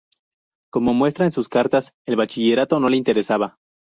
Como muestra en sus cartas, el bachillerato no le interesaba.